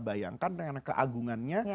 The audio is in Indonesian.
bayangkan karena keagungannya